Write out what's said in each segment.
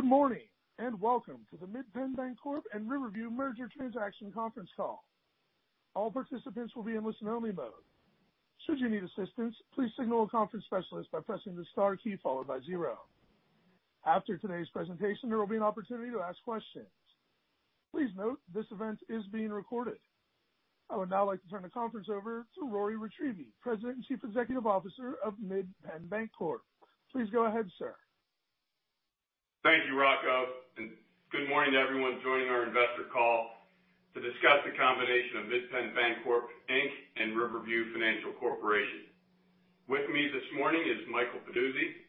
Good morning, and welcome to the Mid Penn Bancorp and Riverview merger transaction conference call. I would now like to turn the conference over to Rory Ritrievi, President and Chief Executive Officer of Mid Penn Bancorp. Please go ahead, sir. Thank you, Rocco, and good morning to everyone joining our investor call to discuss the combination of Mid Penn Bancorp, Inc. and Riverview Financial Corporation. With me this morning is Michael Peduzzi,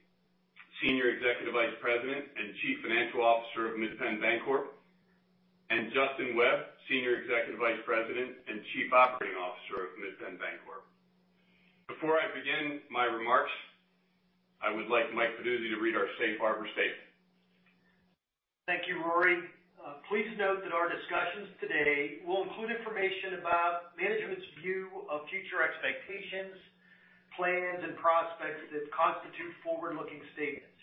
Senior Executive Vice President and Chief Financial Officer of Mid Penn Bancorp, and Justin Webb, Senior Executive Vice President and Chief Operating Officer of Mid Penn Bancorp. Before I begin my remarks, I would like Michael Peduzzi to read our safe harbor statement. Thank you, Rory. Please note that our discussions today will include information about management's view of future expectations, plans, and prospects that constitute forward-looking statements.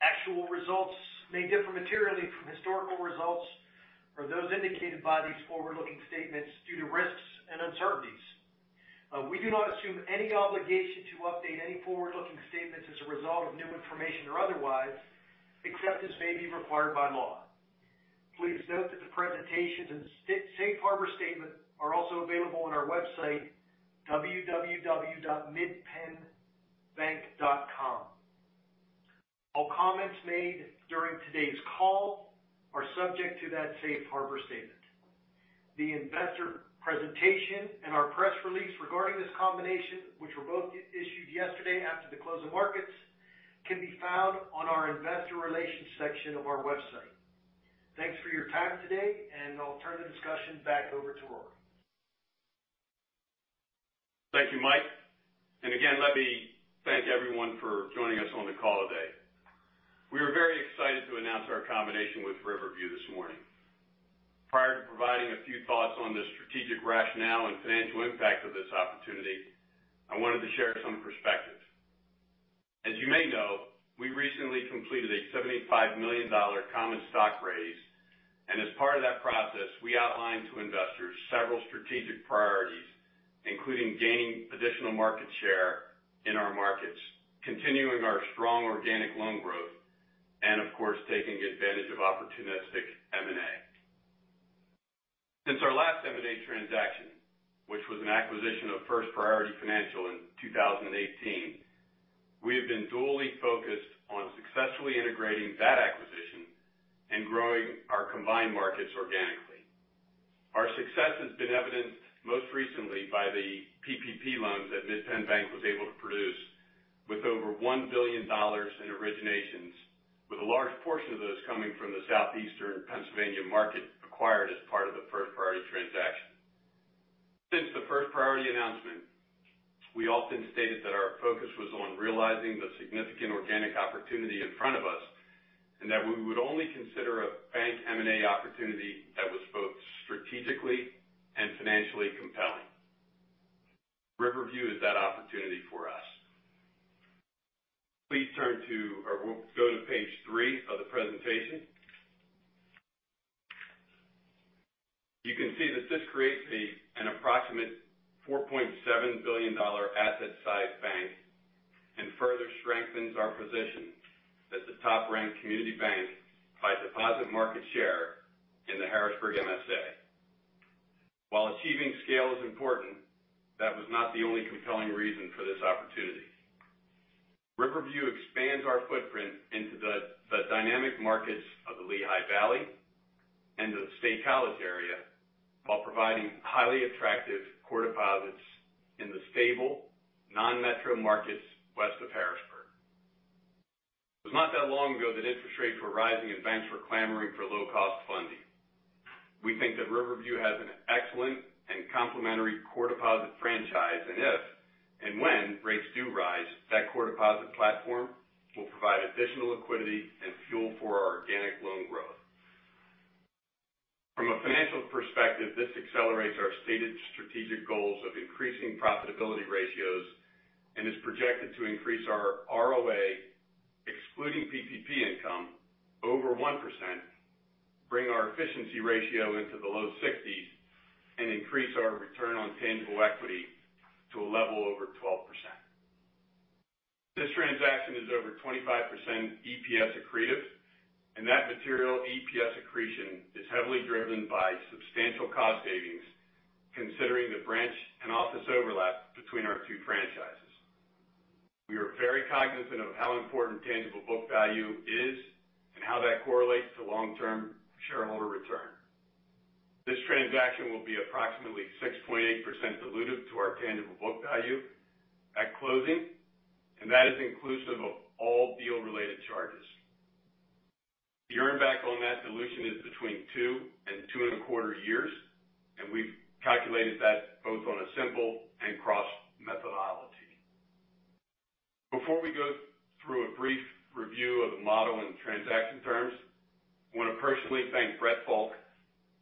Actual results may differ materially from historical results or those indicated by these forward-looking statements due to risks and uncertainties. We do not assume any obligation to update any forward-looking statements as a result of new information or otherwise, except as may be required by law. Please note that the presentation and safe harbor statement are also available on our website, www.midpennbank.com. All comments made during today's call are subject to that safe harbor statement. The investor presentation and our press release regarding this combination, which were both issued yesterday after the close of markets, can be found on our investor relations section of our website. Thanks for your time today. I'll turn the discussion back over to Rory. Thank you, Mike. Again, let me thank everyone for joining us on the call today. We are very excited to announce our combination with Riverview this morning. Prior to providing a few thoughts on the strategic rationale and financial impact of this opportunity, I wanted to share some perspective. As you may know, we recently completed a $75 million common stock raise, and as part of that process, we outlined to investors several strategic priorities, including gaining additional market share in our markets, continuing our strong organic loan growth, and of course, taking advantage of opportunistic M&A. Since our last M&A transaction, which was an acquisition of First Priority Financial in 2018, we have been duly focused on successfully integrating that acquisition and growing our combined markets organically. Our success has been evidenced most recently by the PPP loans that Mid Penn Bank was able to produce with over $1 billion in originations, with a large portion of those coming from the Southeastern Pennsylvania market acquired as part of the First Priority transaction. Since the First Priority announcement, we often stated that our focus was on realizing the significant organic opportunity in front of us, and that we would only consider a bank M&A opportunity that was both strategically and financially compelling. Riverview is that opportunity for us. Please go to page three of the presentation. You can see that this creates an approximate $4.7 billion asset size bank and further strengthens our position as the top-ranked community bank by deposit market share in the Harrisburg MSA. While achieving scale is important, that was not the only compelling reason for this opportunity. Riverview expands our footprint into the dynamic markets of the Lehigh Valley and the State College area while providing highly attractive core deposits in the stable, non-metro markets west of Harrisburg. It was not that long ago that interest rates were rising and banks were clamoring for low-cost funding. We think that Riverview has an excellent and complementary core deposit franchise, and if and when rates do rise, that core deposit platform will provide additional liquidity and fuel for our organic loan growth. From a financial perspective, this accelerates our stated strategic goals of increasing profitability ratios and is projected to increase our ROA, excluding PPP income, over 1%, bring our efficiency ratio into the low 60s, and increase our return on tangible equity to a level over 12%. This transaction is over 25% EPS accretive, that material EPS accretion is heavily driven by substantial cost savings considering the branch and office overlap between our two franchises. We are very cognizant of how important tangible book value is and how that correlates to long-term shareholder return. This transaction will be approximately 6.8% dilutive to our tangible book value at closing, that is inclusive of all deal-related charges. The earn back on that dilution is between two and two and a quarter years, we've calculated that both on a simple and crossover methodology. Before we go through a brief review of the model and transaction terms, I want to personally thank Brett Fulk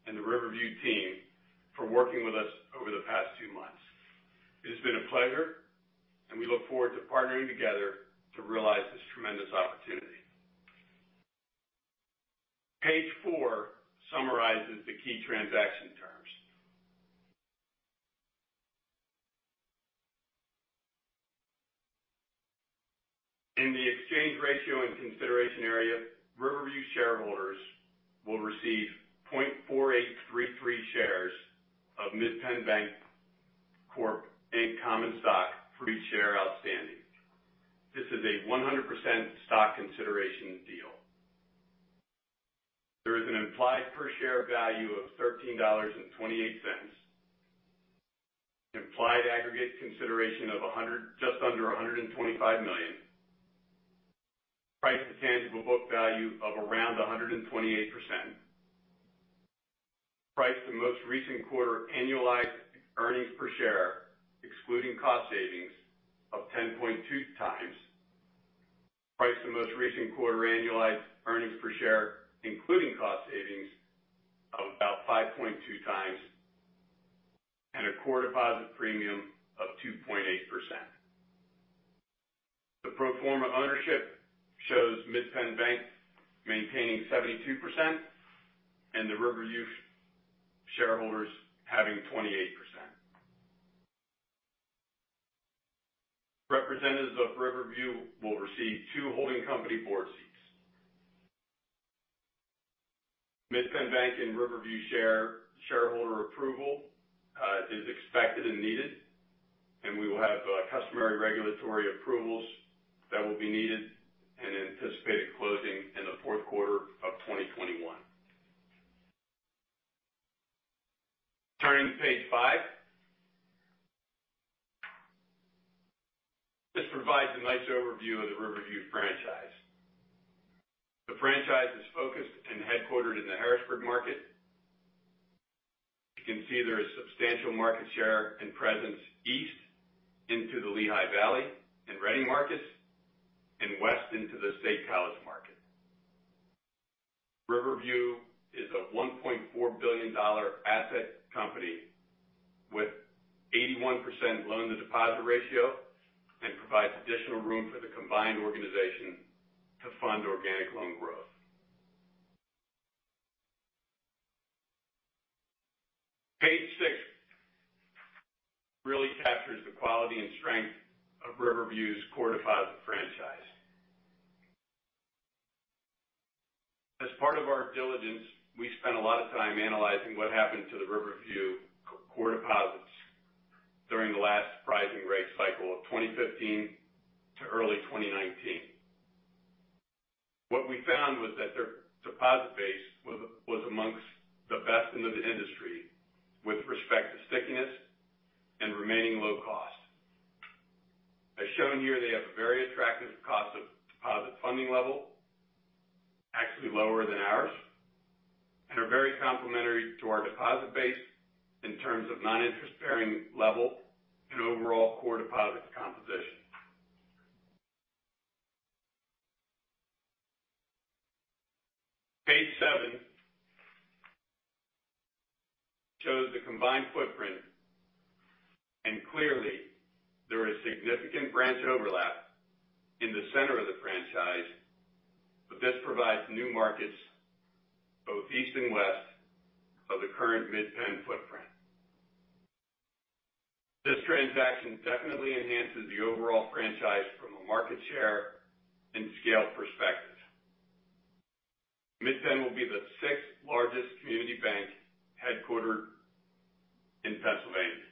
and the Riverview team for working with us over the past two months. It's been a pleasure. We look forward to partnering together to realize this tremendous opportunity. Page four summarizes the key transaction terms. In the exchange ratio and consideration area, Riverview shareholders will receive 0.4833 shares of Mid Penn Bancorp, Inc. common stock for each share outstanding. This is a 100% stock consideration deal. There is an implied per share value of $13.28, implied aggregate consideration of just under $125 million. Price to tangible book value of around 128%. Price to most recent quarter annualized earnings per share, excluding cost savings, of 10.2x. Price to most recent quarter annualized earnings per share, including cost savings, of about 5.2x. A core deposit premium of 2.8%. The pro forma ownership shows Mid Penn Bank maintaining 72% and the Riverview shareholders having 28%. Representatives of Riverview will receive two holding company board seats. Mid Penn Bank and Riverview shareholder approval is expected and needed, and we will have customary regulatory approvals that will be needed, and anticipate a closing in the fourth quarter of 2021. Turning to page five. This provides a nice overview of the Riverview franchise. The franchise is focused and headquartered in the Harrisburg market. You can see there is substantial market share and presence east into the Lehigh Valley and Reading markets, and west into the State College market. Riverview is a $1.4 billion asset company with 81% loan to deposit ratio and provides additional room for the combined organization to fund organic loan growth. Page six really captures the quality and strength of Riverview's core deposit franchise. As part of our diligence, we spent a lot of time analyzing what happened to the Riverview core deposits during the last pricing rate cycle of 2015 to early 2019. What we found was that their deposit base was amongst the best in the industry with respect to stickiness and remaining low cost. As shown here, they have a very attractive cost of deposit funding level, actually lower than ours, and are very complementary to our deposit base in terms of non-interest-bearing level and overall core deposit composition. Page seven shows the combined footprint, and clearly there is significant branch overlap in the center of the franchise, but this provides new markets both east and west of the current Mid Penn footprint. This transaction definitely enhances the overall franchise from a market share and scale perspective. Mid Penn will be the sixth largest community bank headquartered in Pennsylvania.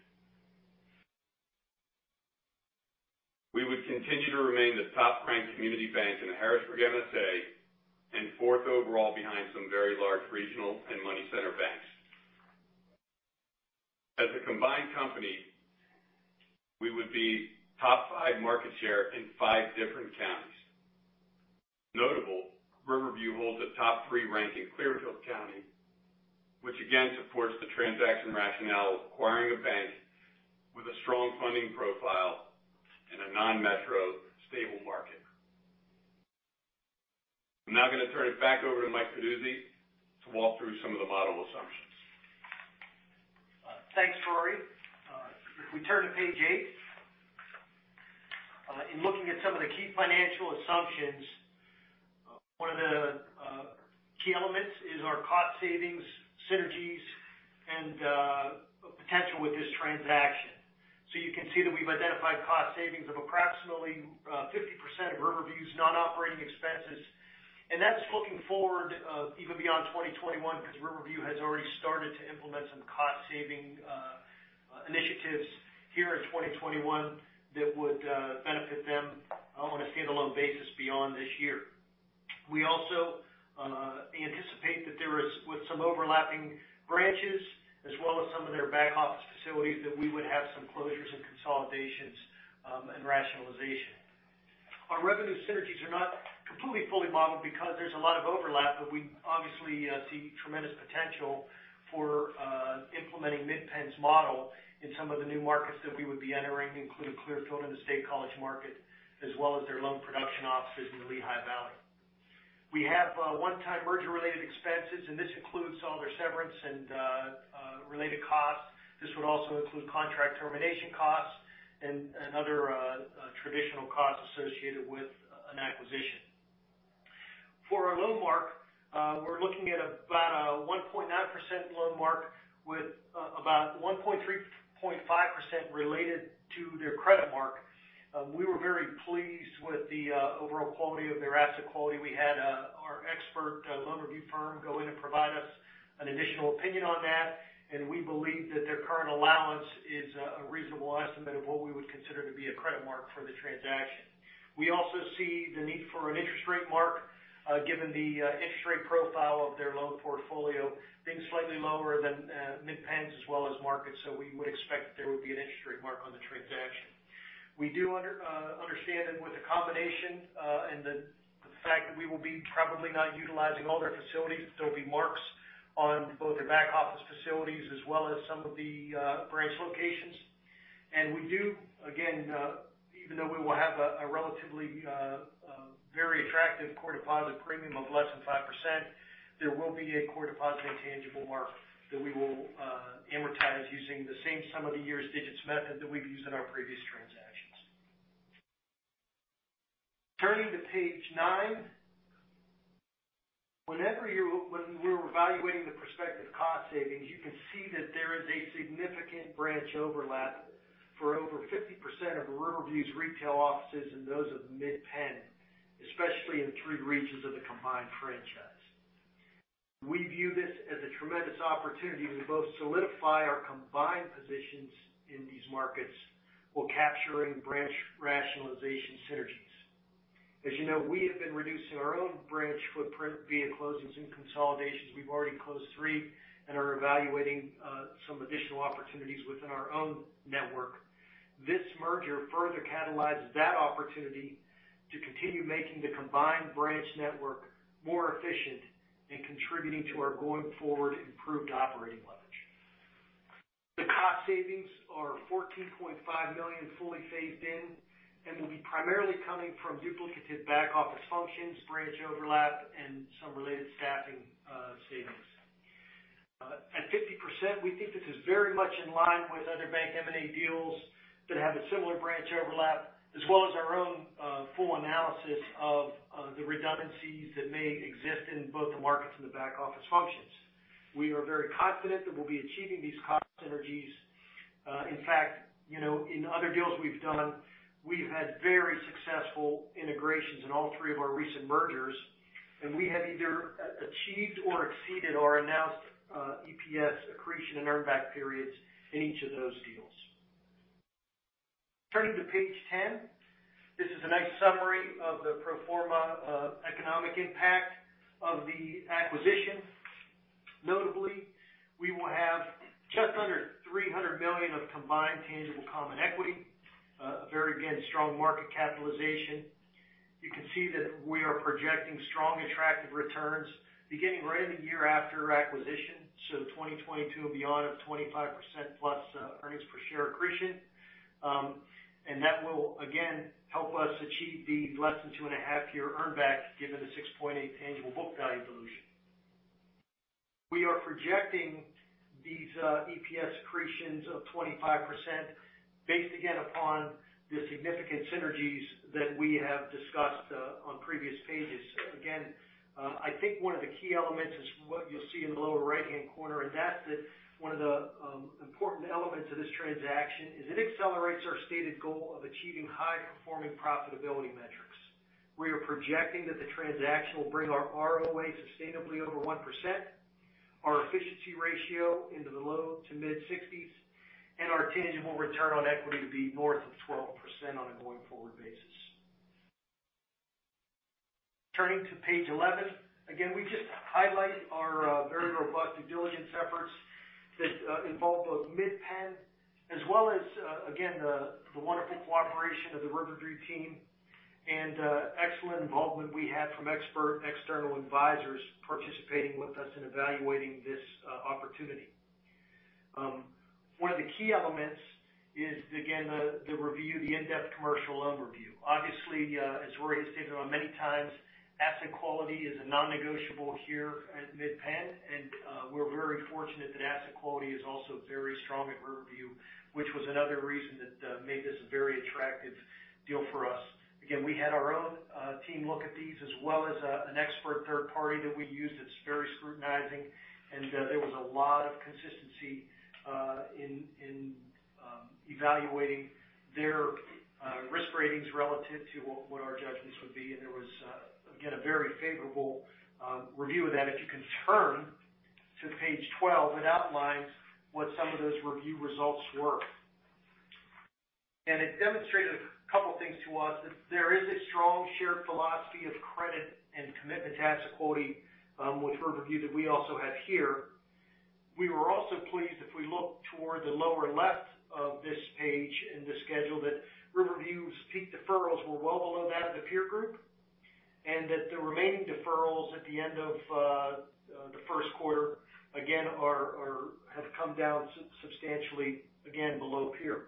We would continue to remain the top-ranked community bank in the Harrisburg MSA and 4th overall behind some very large regional and money center banks. As a combined company, we would be top five market share in five different counties. Notable, Riverview holds a top three rank in Clearfield County, which again supports the transaction rationale of acquiring a bank with a strong funding profile in a non-metro, stable market. I'm now going to turn it back over to Mike Peduzzi to walk through some of the model assumptions. Thanks, Rory. If we turn to page eight. In looking at some of the key financial assumptions, one of the key elements is our cost savings synergies and potential with this transaction. You can see that we've identified cost savings of approximately 50% of Riverview's non-operating expenses. That's looking forward even beyond 2021, because Riverview has already started to implement some cost-saving initiatives here in 2021 that would benefit them on a standalone basis beyond this year. We also anticipate that there is, with some overlapping branches, as well as some of their back office facilities, that we would have some closures and consolidations and rationalization. Our revenue synergies are not completely fully modeled because there's a lot of overlap, but we obviously see tremendous potential for implementing Mid Penn's model in some of the new markets that we would be entering, including Clearfield and the State College market, as well as their loan production offices in the Lehigh Valley. We have one-time merger related expenses. This includes seller severance and related costs. This would also include contract termination costs and other traditional costs associated with an acquisition. For our loan mark, we're looking at about a 1.9% loan mark with about 1.35% related to their credit mark. We were very pleased with the overall quality of their asset quality. We had our expert loan review firm go in and provide us an additional opinion on that. We believe that their current allowance is a reasonable estimate of what we would consider to be a credit mark for the transaction. We also see the need for an interest rate mark, given the interest rate profile of their loan portfolio being slightly lower than Mid Penn's as well as markets. We would expect there would be an interest rate mark on the transaction. We do understand that with the combination and the fact that we will be probably not utilizing all their facilities, there'll be marks on both their back office facilities as well as some of the branch locations. We do, again, even though we will have a relatively very attractive core deposit premium of less than 5%. There will be a core deposit intangible mark that we will amortize using the same sum of the year's digits method that we've used in our previous transactions. Turning to page nine. When we were evaluating the prospective cost savings, you can see that there is a significant branch overlap for over 50% of Riverview's retail offices and those of Mid Penn, especially in three regions of the combined franchise. We view this as a tremendous opportunity to both solidify our combined positions in these markets while capturing branch rationalization synergies. As you know, we have been reducing our own branch footprint via closings and consolidations. We've already close three and are evaluating some additional opportunities within our own network. This merger further catalyzes that opportunity to continue making the combined branch network more efficient and contributing to our going forward improved operating leverage. The cost savings are $14.5 million fully phased in and will be primarily coming from duplicated back office functions, branch overlap, and some related staffing savings. At 50%, we think this is very much in line with other bank M&A deals that have a similar branch overlap, as well as our own full analysis of the redundancies that may exist in both the markets and the back office functions. We are very confident that we'll be achieving these cost synergies. In fact, in other deals we've done, we've had very successful integrations in all three of our recent mergers, and we have either achieved or exceeded our announced EPS accretion and earn back periods in each of those deals. Turning to page 10. This is a nice summary of the pro forma economic impact of the acquisition. Notably, we will have just under $300 million of combined tangible common equity. Very again, strong market capitalization. You can see that we are projecting strong attractive returns beginning right at the year after acquisition. 2022 and beyond have 25%+ earnings per share accretion. That will again help us achieve the less than two and a half year earn back given the 6.8 tangible book value dilution. We are projecting these EPS accretions of 25% based again upon the significant synergies that we have discussed on previous pages. Again, I think one of the key elements is from what you'll see in the lower right-hand corner, and that's that one of the important elements of this transaction is it accelerates our stated goal of achieving high performing profitability metrics. We are projecting that the transaction will bring our ROA sustainably over 1%, our efficiency ratio into the low to mid 60s, and our tangible return on equity to be north of 12% on a going forward basis. Turning to page 11. Again, we just highlight our very robust due diligence efforts that involve both Mid Penn as well as, again, the wonderful cooperation of the Riverview team and excellent involvement we had from expert external advisors participating with us in evaluating this opportunity. One of the key elements is, again, the review, the in-depth commercial loan review. Obviously, as Rory has stated many times, asset quality is a non-negotiable here at Mid Penn, and we're very fortunate that asset quality is also very strong at Riverview, which was another reason that made this a very attractive deal for us. We had our own team look at these as well as an expert third party that we used that's very scrutinizing, and there was a lot of consistency in evaluating their risk ratings relative to what our judgments would be. There was, again, a very favorable review of that. If you can turn to page 12, it outlines what some of those review results were. It demonstrated a couple of things to us, that there is a strong shared philosophy of credit and commitment to asset quality with Riverview that we also have here. We were also pleased, if we look toward the lower left of this page in the schedule, that Riverview's peak deferrals were well below that of the peer group, and that the remaining deferrals at the end of the first quarter, again, have come down substantially, again, below peer.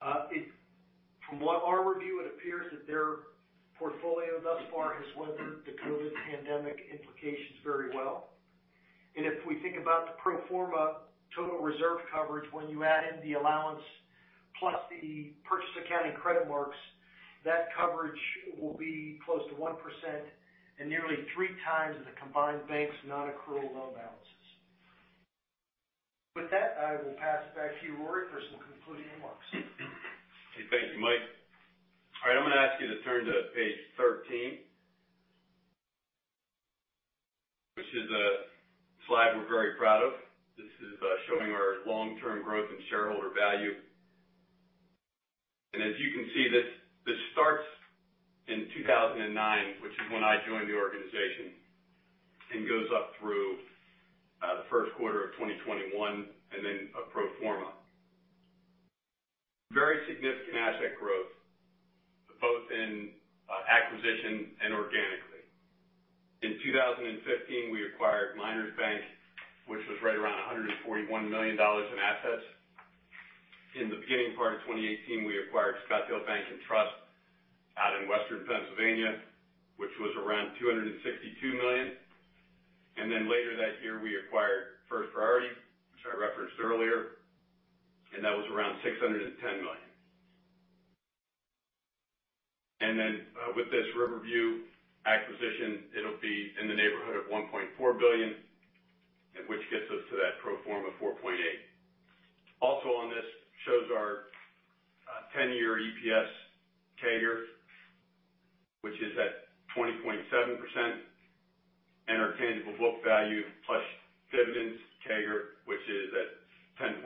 From our review, it appears that their portfolio thus far has weathered the COVID pandemic implications very well. If we think about the pro forma total reserve coverage, when you add in the allowance plus the purchase accounting credit marks, that coverage will be close to 1% and nearly 3x the combined bank's non-accrual loan balances. With that, I will pass it back to you, Rory, for some concluding remarks. Thank you, Mike. I'm going to ask you to turn to page 13, which is a slide we're very proud of. This is showing our long-term growth in shareholder value. As you can see, this starts in 2009, which is when I joined the organization, and goes up through the first quarter of 2021 and then pro forma. Very significant asset growth, both in acquisition and organically. In 2015, we acquired Miners Bank, which was right around $141 million in assets. In the beginning part of 2018, we acquired Scottdale Bank and Trust out in Western Pennsylvania, which was around $262 million. Later that year, we acquired First Priority, which I referenced earlier, and that was around $610 million. With this Riverview acquisition, it'll be in the neighborhood of $1.4 billion, which gets us to that pro forma $4.8 billion. Also on this shows our 10-year EPS CAGR, which is at 20.7%, and our tangible book value plus dividends CAGR, which is at 10.2%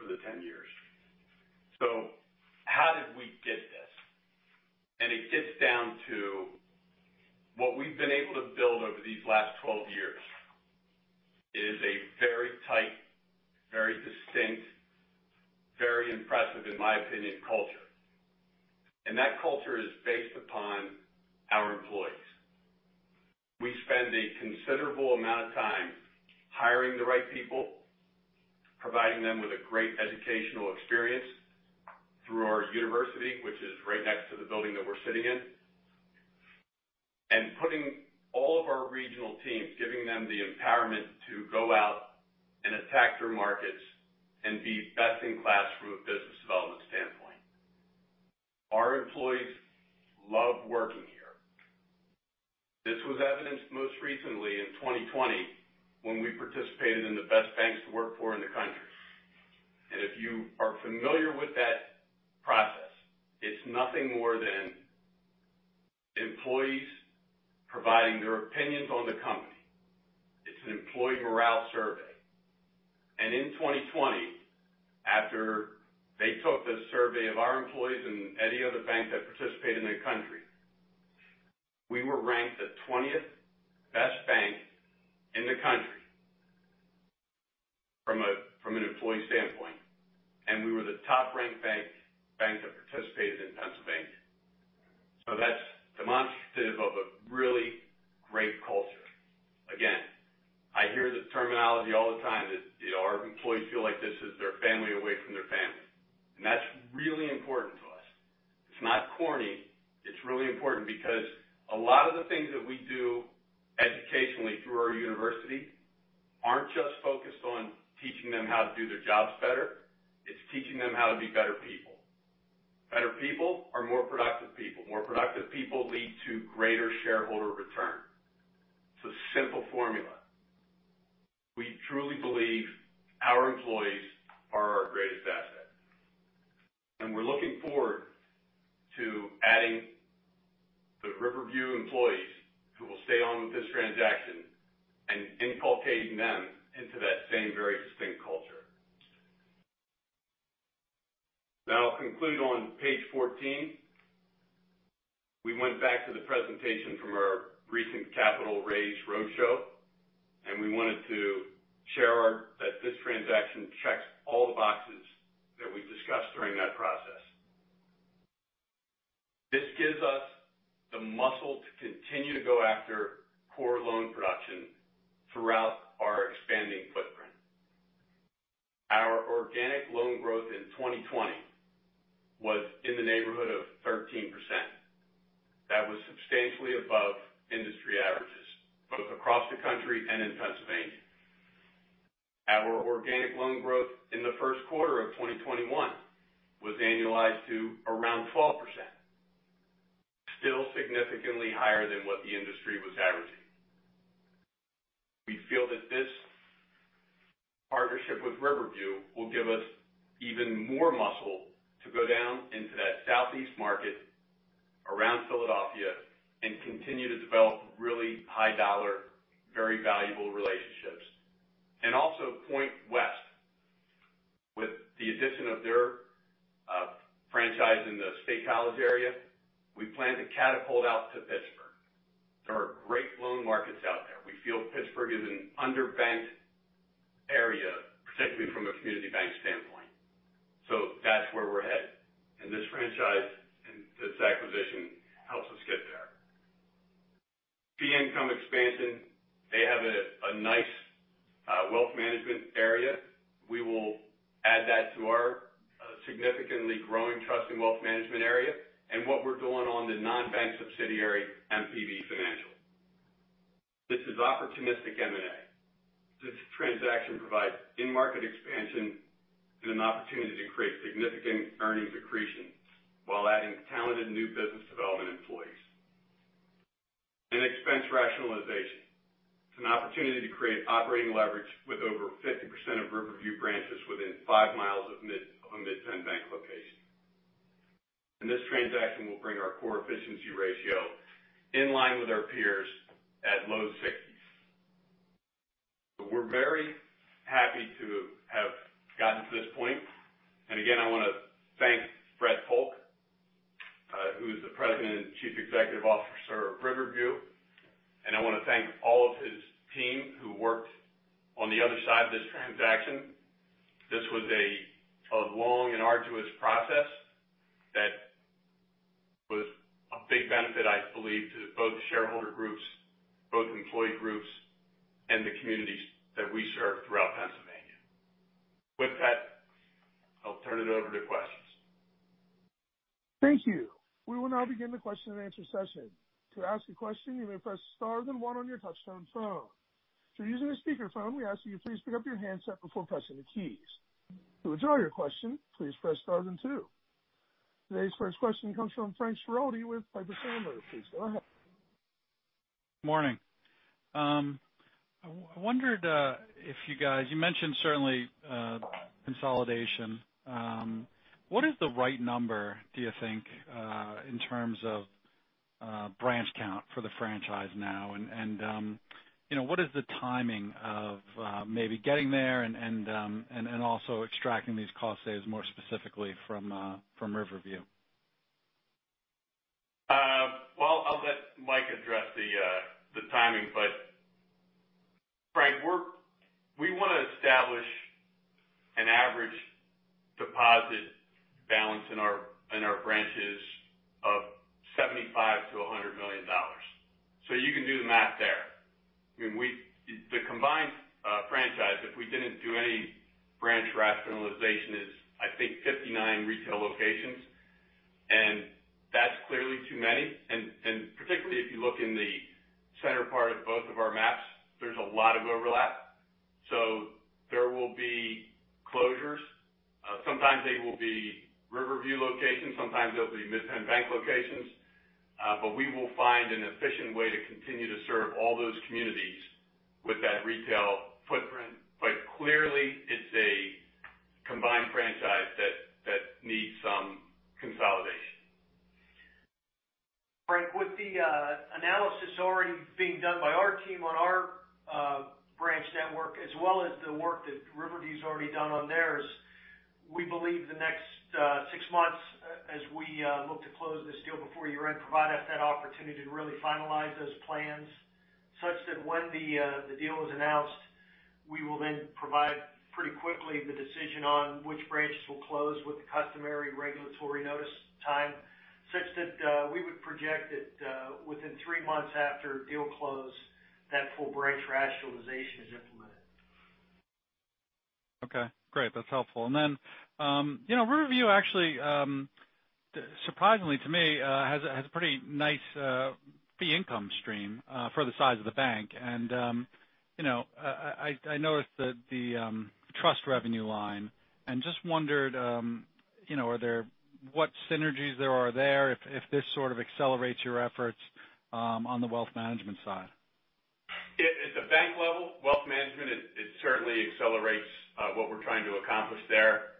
for the 10 years. How did we get this? It gets down to what we've been able to build over these last 12 years is a very tight, very distinct, very impressive, in my opinion, culture. And that culture is based upon our employees. We spend a considerable amount of time hiring the right people, providing them with a great educational experience through our university, which is right next to the building that we're sitting in, and putting all of our regional teams, giving them the empowerment to go out and attack their markets and be best in class from a business development standpoint. Our employees love working here. This was evidenced most recently in 2020 when we participated in the Best Banks to Work For in the country. If you are familiar with that process, it's nothing more than employees providing their opinions on the company. It's an employee morale survey. In 2020, after they took the survey of our employees and any other bank that participated in the country, we were ranked the 20th best bank in the country from an employee standpoint, and we were the top-ranked bank that participated in Pennsylvania. That's demonstrative of a really great culture. Again, I hear the terminology all the time is our employees feel like this is their family away from their family. That's really important to us. It's not corny. It's really important because a lot of the things that we do educationally through our university aren't just focused on teaching them how to do their jobs better. It's teaching them how to be better people. Better people are more productive people. More productive people lead to greater shareholder return. It's a simple formula. We truly believe our employees are our greatest asset, and we're looking forward to adding the Riverview employees who will stay on with this transaction and inculcating them into that same very distinct culture. I'll conclude on page 14. We went back to the presentation from our recent capital raise roadshow, and we wanted to share that this transaction checks all the boxes that we discussed during that process. This gives us the muscle to continue to go after core loan production throughout our expanding footprint. Our organic loan growth in 2020 was in the neighborhood of 13%. That was substantially above industry averages, both across the country and in Pennsylvania. Our organic loan growth in the first quarter of 2021 was annualized to around 12%, still significantly higher than what the industry was averaging. We feel that this partnership with Riverview will give us even more muscle to go down into that southeast market around Philadelphia and continue to develop really high dollar, very valuable relationships. Also point west. With the addition of their franchise in the State College area, we plan to catapult out to Pittsburgh. There are great loan markets out there. We feel Pittsburgh is an underbanked area, particularly from a community bank standpoint. That's where we're headed, and this franchise and this acquisition helps us get there. Fee income expansion. They have a nice wealth management area. We will add that to our significantly growing trust and wealth management area and what we're going on the non-bank subsidiary, MPB Financial. This is opportunistic M&A. This transaction provides in-market expansion and an opportunity to create significant earning accretions while adding talented new business development employees. Expense rationalization. It's an opportunity to create operating leverage with over 50% of Riverview branches within 5 mi of a Mid Penn Bank location. This transaction will bring our core efficiency ratio in line with our peers at low 60s. We're very happy to have gotten to this point. Again, I want to thank Brett Fulk, who is the President and Chief Executive Officer of Riverview. I want to thank all of his team who worked on the other side of this transaction. This was a long and arduous process that was a big benefit, I believe, to both shareholder groups, both employee groups, and the communities that we serve throughout Pennsylvania. With that, I'll turn it over to questions. Thank you. We will now begin the question-and-answer session. To ask a question, you may press star then one on your touchtone phone. If you're using a speakerphone, we ask that you please pick up your handset before pressing the keys. To withdraw your question, please press star then two. Today's first question comes from Frank Schiraldi with Piper Sandler. Please go ahead. Morning. You mentioned certainly consolidation. What is the right number, do you think, in terms of branch count for the franchise now? What is the timing of maybe getting there and also extracting these cost saves more specifically from Riverview? Well, I'll let Mike address the timing. Frank, we want to establish an average deposit balance in our branches of $75 million-$100 million. You can do the math there. I mean, the combined franchise, if we didn't do any branch rationalization is, I think, 59 retail locations, and that's clearly too many. Particularly if you look in the center part of both of our maps, there's a lot of overlap. There will be closures. Sometimes they will be Riverview locations, sometimes they'll be Mid Penn Bank locations. We will find an efficient way to continue to serve all those communities with that retail footprint. Clearly, it's a combined franchise that needs some consolidation. Frank, with the analysis already being done by our team on our branch network as well as the work that Riverview's already done on theirs, we believe the next six months as we look to close this deal before year-end provide us that opportunity to really finalize those plans such that when the deal is announced, we will then provide pretty quickly the decision on which branches will close with the customary regulatory notice time, such that we would project that within three months after deal close, that full branch rationalization is implemented. Okay, great. That is helpful. Riverview actually, surprisingly to me, has a pretty nice fee income stream for the size of the bank. I noticed that the trust revenue line and just wondered what synergies there are there if this sort of accelerates your efforts on the wealth management side. At the bank level, wealth management, it certainly accelerates what we're trying to accomplish there.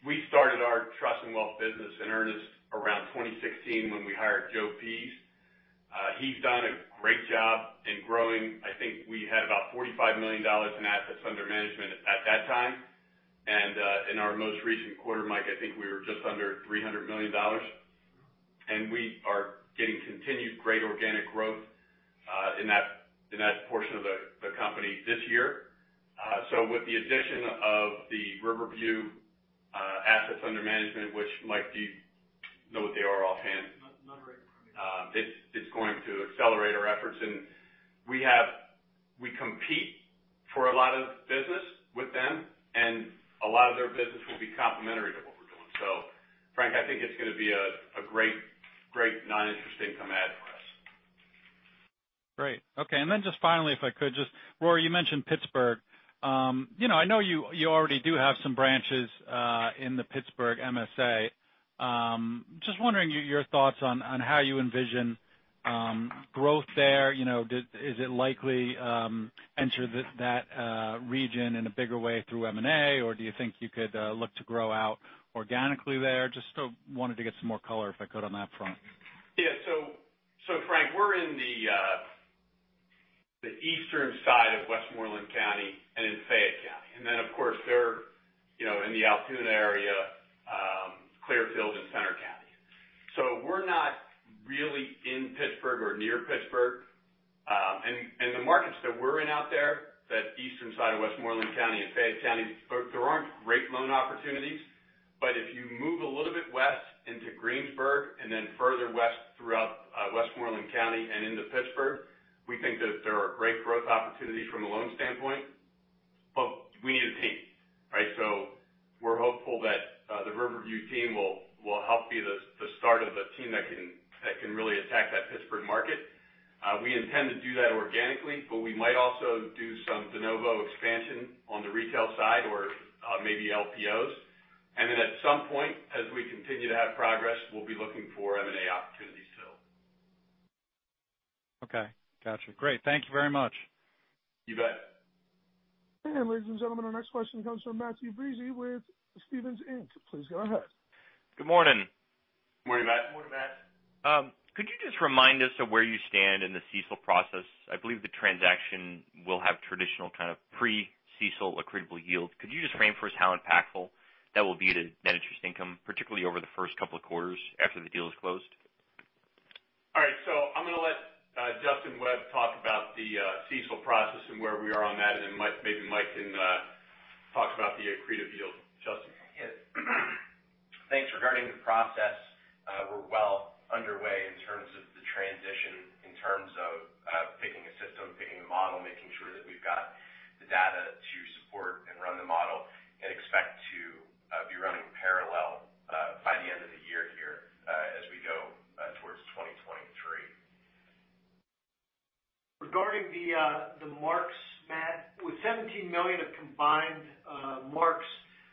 We started our trust and wealth business in earnest around 2016 when we hired Joe Paese. He's done a great job in growing. I think we had about $45 million in assets under management at that time. In our most recent quarter, Mike, I think we were just under $300 million, and we are getting continued great organic growth in that portion of the company this year. With the addition of the Riverview assets under management, which Mike, do you know what they are offhand? Not right at the moment. It's going to accelerate our efforts. We compete for a lot of business with them, and a lot of their business will be complementary to what we're doing. Frank, I think it's going to be a great non-interest income add for us. Great. Okay, just finally, if I could just, Rory, you mentioned Pittsburgh. I know you already do have some branches in the Pittsburgh MSA. Just wondering your thoughts on how you envision growth there. Is it likely enter that region in a bigger way through M&A, or do you think you could look to grow out organically there? Just wanted to get some more color, if I could, on that front. Frank, we're in the eastern side of Westmoreland County and in Fayette County. Of course, they're in the Altoona area, Clearfield, and Centre County. We're not really in Pittsburgh or near Pittsburgh. The markets that we're in out there, that eastern side of Westmoreland County and Fayette County, there aren't great loan opportunities. If you move a little bit west into Greensburg and then further west throughout Westmoreland County and into Pittsburgh, we think that there are great growth opportunities from a loan standpoint. We need a team. We're hopeful that the Riverview team will help be the start of the team that can really attack that Pittsburgh market. We intend to do that organically, but we might also do some de novo expansion on the retail side or maybe LPOs. Then at some point, as we continue to have progress, we'll be looking for M&A opportunities too. Okay. Got you. Great. Thank you very much. You bet. Ladies and gentlemen, our next question comes from Matthew Breese with Stephens Inc. Please go ahead. Good morning. Morning, Matt. Morning, Matt. Could you just remind us of where you stand in the CECL process? I believe the transaction will have traditional kind of pre-CECL accretive yield. Could you just remind us how impactful that will be to net interest income, particularly over the first couple of quarters after the deal is closed? All right. I'm going to let Justin Webb talk about the CECL process and where we are on that. Maybe Mike can talk about the accretive yield. Justin? Thanks for covering the process. We're well underway in terms of the transition, in terms of picking a system, picking a model, making sure that we've got the data to support and run the model, and expect to be running parallel, by the end of the year here, as we go towards 2023. Regarding the marks, Matt, with $17 million of combined marks,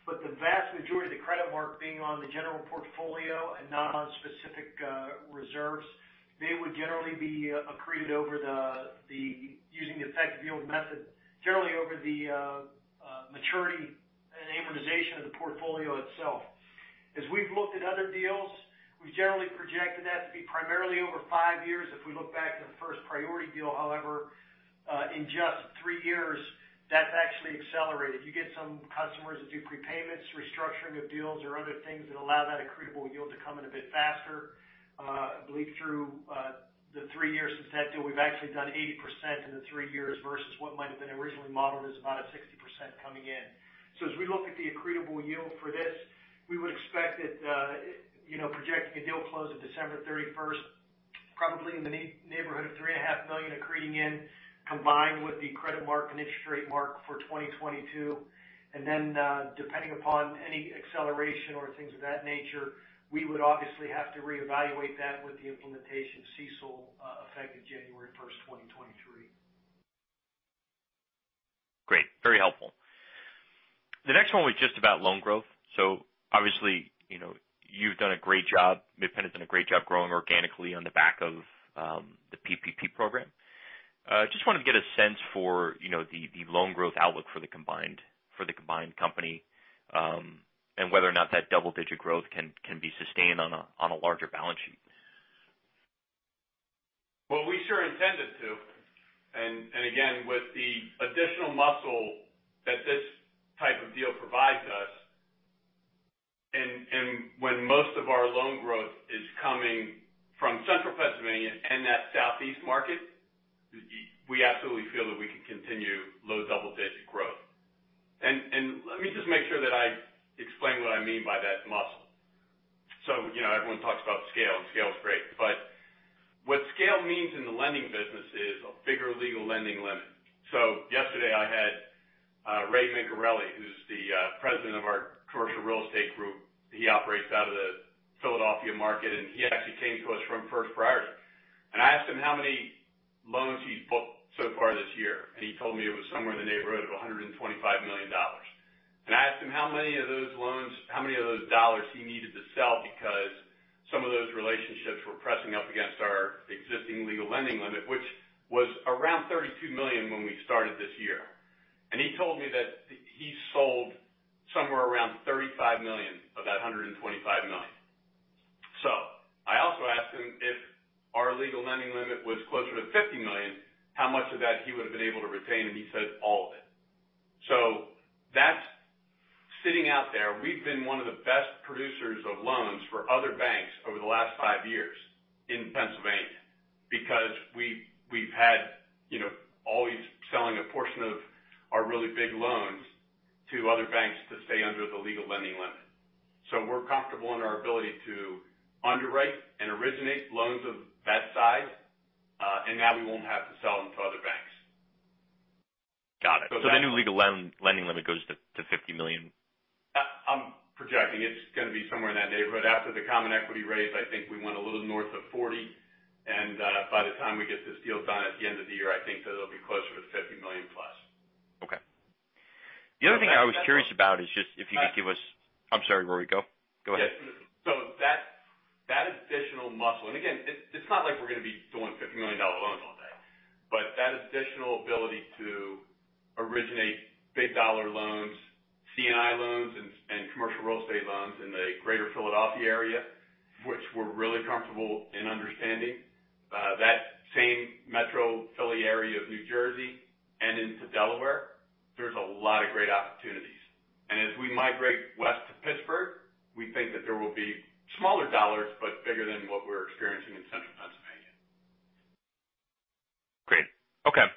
but the vast majority of the credit mark being on the general portfolio and not on specific reserves, they would generally be accreted using the effective yield method, generally over the maturity and amortization of the portfolio itself. As we've looked at other deals, we've generally projected that to be primarily over five years. If we look back to the First Priority deal, however, in just three years, that's actually accelerated. You get some customers that do prepayments, restructuring of deals, or other things that allow that accretive yield to come in a bit faster. I believe through the three years since that deal, we've actually done 80% in the three years versus what might have been originally modeled as about a 60% coming in. As we look at the accretive yield for this, we would expect it, projecting the deal close of December 31st, probably in the neighborhood of $3.5 million accreting in, combined with the credit mark and interest rate mark for 2022. Depending upon any acceleration or things of that nature, we would obviously have to reevaluate that with the implementation of CECL effective January 1st, 2023. Great. Very helpful. The next one was just about loan growth. Obviously, you've done a great job. Mid Penn's done a great job growing organically on the back of the PPP program. Just want to get a sense for the loan growth outlook for the combined company, and whether or not that double-digit growth can be sustained on a larger balance sheet. Well, we sure intend it to. Again, with the additional muscle that this type of deal provides us, and when most of our loan growth is coming from Central Pennsylvania and that Southeast market, we absolutely feel that we can continue low double-digit growth. Let me just make sure that I explain what I mean by that muscle. Everyone talks about scale, and scale is great. What scale means in the lending business is a bigger legal lending limit. Yesterday, I had Ray Mincarelli, who's the President of our Commercial Real Estate group. He operates out of the Philadelphia market, and he actually came to us from First Priority. I asked him how many loans he's booked so far this year, and he told me it was somewhere in the neighborhood of $125 million. I asked him how many of those loans, how many of those dollars he needed to sell because some of those relationships were pressing up against our existing legal lending limit, which was around $32 million when we started this year. He told me that he sold somewhere around $35 million of that $125 million. I also asked him if our legal lending limit was closer to $50 million, how much of that he would've been able to retain, and he said all of it. That's sitting out there. We've been one of the best producers of loans for other banks over the last five years in Pennsylvania because we've had always selling a portion of our really big loans to other banks to stay under the legal lending limit. We're comfortable in our ability to underwrite and originate loans of that size, and now we won't have to sell them to other banks. Got it. Your legal lending limit goes to $50 million? I'm projecting it's going to be somewhere in that neighborhood. After the common equity raise, I think we went a little north of $40. By the time we get this deal done at the end of the year, I think that it'll be closer to $50 million+. Okay. The other thing I was curious about is just if you could give us, I'm sorry, Rory. Go ahead. That additional muscle, and again, it's not like we're going to be doing $50 million loans all day. That additional ability to originate big dollar loans, C&I loans, and commercial real estate loans in the Greater Philadelphia area, which we're really comfortable in understanding. That same metro Philly area of New Jersey and into Delaware, there's a lot of great opportunities. We migrate west to Pittsburgh. We think that there will be smaller dollars, but bigger than what we're experiencing in central Pennsylvania. Great. Okay.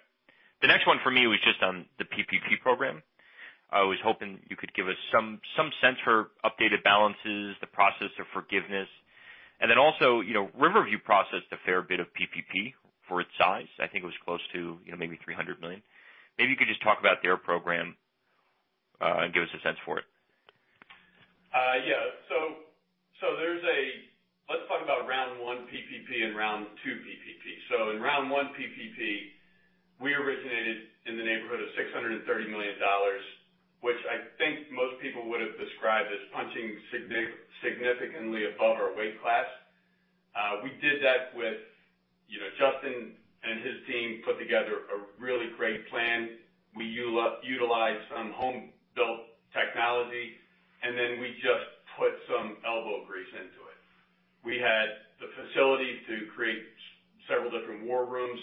The next one for me was just on the PPP program. I was hoping you could give us some sense or updated balances, the process of forgiveness, and then also Riverview processed a fair bit of PPP for its size. I think it was close to maybe $300 million. Maybe you could just talk about their program and give us a sense for it. Yeah. Let's talk about round one PPP and round two PPP. In round one PPP, we originated in the neighborhood of $630 million, which I think most people would've described as punching significantly above our weight class. We did that with Justin and his team put together a really great plan. We utilized some home-built technology, and then we just put some elbow grease into it. We had the facility to create several different war rooms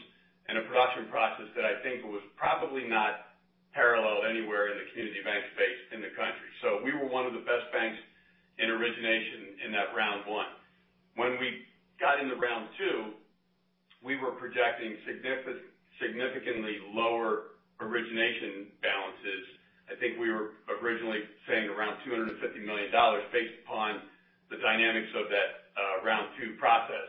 and a production process that I think was probably not parallel anywhere in the community bank space in the country. We were one of the best banks in origination in that round one. When we got into round two, we were projecting significantly lower origination balances. I think we were originally saying around $250 million based upon the dynamics of that round two process.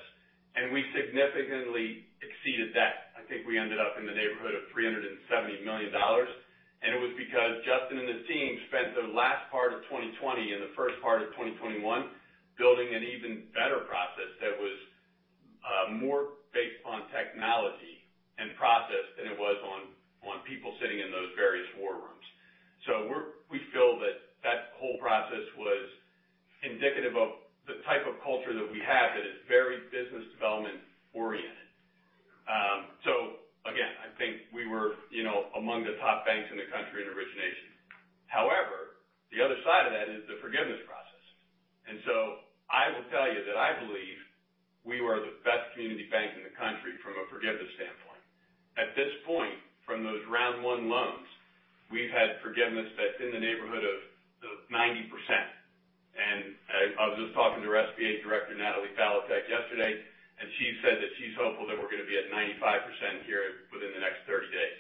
We significantly exceeded that. I think we ended up in the neighborhood of $370 million. It was because Justin and the team spent the last part of 2020 and the first part of 2021 building an even better process that was more based on technology and process than it was on people sitting in those various war rooms. We feel that that whole process was indicative of the type of culture that we have, that is very business development oriented. Again, I think we were among the top banks in the country in origination. However, the other side of that is the forgiveness process. I will tell you that I believe we were the best community bank in the country from a forgiveness standpoint. At this point, from those round one loans, we've had forgiveness that's in the neighborhood of 90%. I was just talking to our SBA Director, Natalie Falatek, yesterday, and she said that she's hopeful that we're going to be at 95% here within the next 30 days.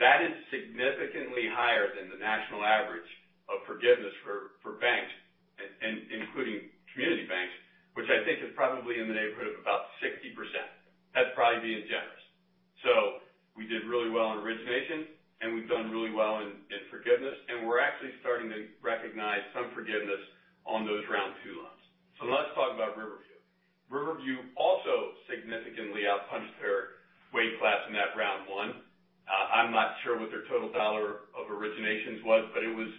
That is significantly higher than the national average of forgiveness for banks, including community banks, which I think is probably in the neighborhood of about 60%. That'd probably be generous. We did really well in origination, and we've done really well in forgiveness, and we're actually starting to recognize some forgiveness on those round two loans. Now let's talk about Riverview. Riverview also significantly outpunched their weight class in that round one. I'm not sure what their total dollar of originations was, but it was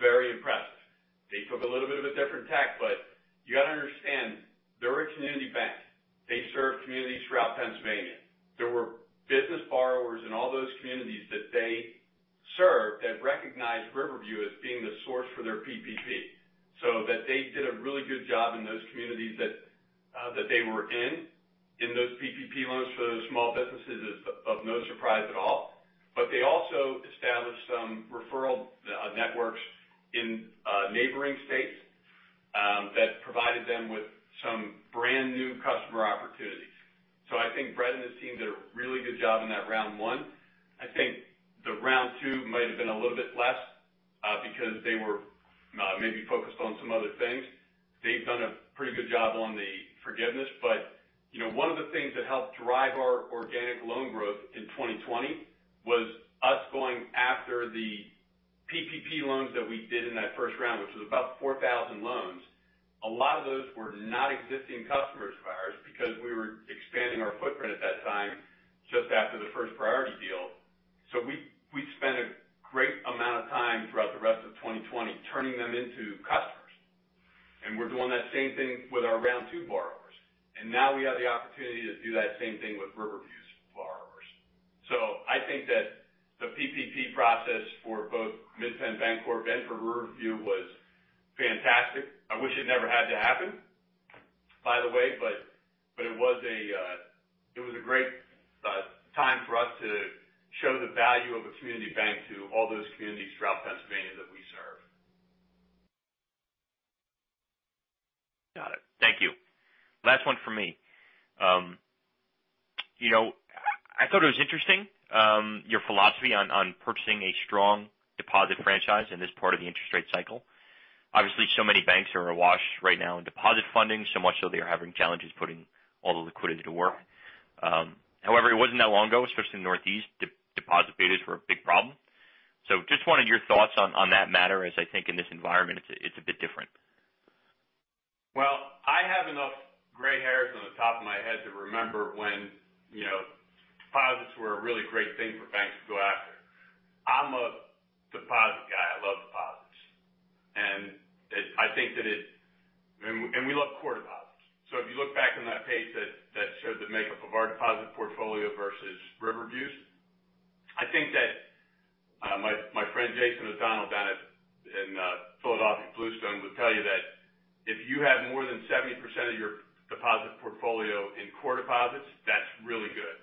very impressive. They took a little bit of a different tack, but you got to understand, they're a community bank. They serve communities throughout Pennsylvania. There were business borrowers in all those communities that they serve that recognized Riverview as being the source for their PPP. They did a really good job in those communities that they were in those PPP loans for those small businesses is of no surprise at all. They also established some referral networks in neighboring states that provided them with some brand new customer opportunities. I think Brett and his team did a really good job in that round one. I think the round two might've been a little bit less because they were maybe focused on some other things. They've done a pretty good job on the forgiveness. One of the things that helped drive our organic loan growth in 2020 was us going after the PPP loans that we did in that first round, which was about 4,000 loans. A lot of those were not existing customers of ours because we were expanding our footprint at that time just after the First Priority deal. We spent a great amount of time throughout the rest of 2020 turning them into customers. We're doing that same thing with our round two borrowers. Now we have the opportunity to do that same thing with Riverview's borrowers. I think that the PPP process for both Mid Penn Bancorp and for Riverview was fantastic. I wish it never had to happen, by the way, but it was a great time for us to show the value of a community bank to all those communities throughout Pennsylvania that we serve. Got it. Thank you. Last one for me. I thought it was interesting, your philosophy on purchasing a strong deposit franchise in this part of the interest rate cycle. Obviously, so many banks here are awash right now in deposit funding. So much so they are having challenges putting all the liquidity to work. However, it wasn't that long ago, especially in the Northeast, deposit betas were a big problem. Just want to hear your thoughts on that matter as I think in this environment it's a bit different. I have enough gray hairs on the top of my head to remember when deposits were a really great thing for banks to go after. I'm a deposit guy. I love deposits. We love core deposits. If you look back on that page that showed the makeup of our deposit portfolio versus Riverview's, I think that my friend Jason O'Donnell at Bluestone would tell you that if you have more than 70% of your deposit portfolio in core deposits, that's really good.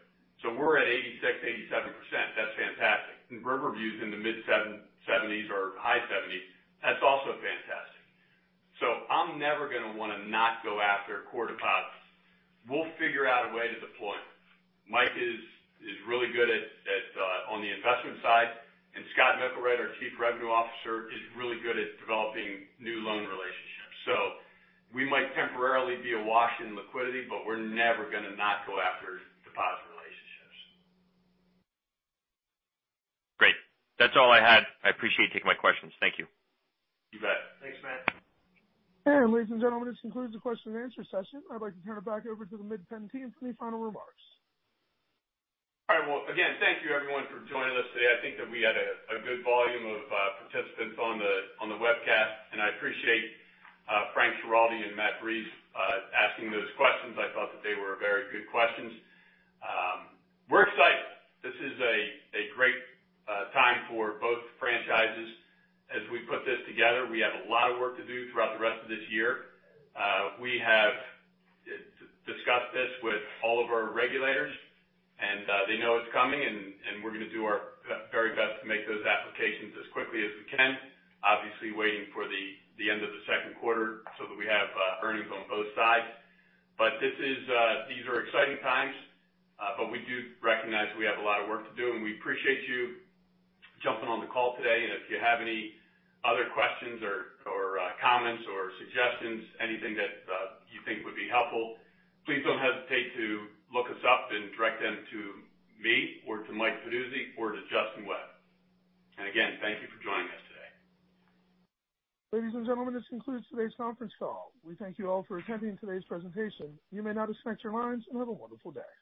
We're at 86%, 87%. That's fantastic. Riverview's in the mid-70s or high 70s. That's also fantastic. I'm never going to want to not go after core deposits. We'll figure out a way to deploy it. Mike is really good on the investment side, and Scott Micklewright, our Chief Revenue Officer, is really good at developing new loan relationships. We might temporarily be awash in liquidity, but we're never going to not go after deposit relationships. Great. That's all I had. I appreciate you taking my questions. Thank you. You bet. Thanks, Matt. Ladies and gentlemen, this concludes the question-and-answer session. I'd like to turn it back over to the Mid Penn team for any final remarks. All right. Well, again, thank you everyone for joining us today. I think that we had a good volume of participants on the webcast, and I appreciate Frank Schiraldi and Matthew Breese asking those questions. I thought that they were very good questions. We're excited. This is a great time for both franchises. As we put this together, we have a lot of work to do throughout the rest of this year. We have discussed this with all of our regulators, and they know it's coming, and we're going to do our very best to make those applications as quickly as we can. Obviously waiting for the end of the second quarter so that we have earnings on both sides. These are exciting times. We do recognize we have a lot of work to do, and we appreciate you jumping on the call today. If you have any other questions or comments or suggestions, anything that you think would be helpful, please don't hesitate to look us up and direct them to me or to Mike Peduzzi or to Justin Webb. Again, thank you for joining us today. Ladies and gentlemen, this concludes today's conference call. We thank you all for attending today's presentation. You may now disconnect your lines and have a wonderful day.